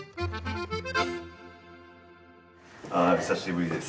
久しぶりです。